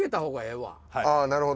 ああなるほど。